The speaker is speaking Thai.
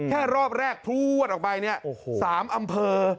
แค่รอบแรกพลวดออกไปเนี่ย๓อำเภอ